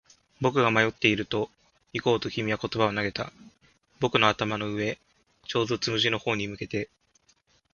僕が迷っていると、行こうと君は言葉を投げた。僕の頭の上、ちょうどつむじの方に向けて。